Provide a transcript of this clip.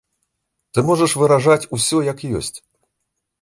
Ты можаш выражаць усё як ёсць.